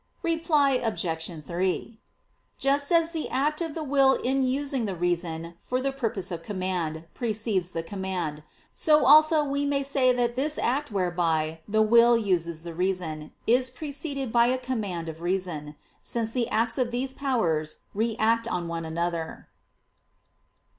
Reply Obj. 3: Just as the act of the will in using the reason for the purpose of command, precedes the command; so also we may say that this act whereby the will uses the reason, is preceded by a command of reason; since the acts of these powers react on one another.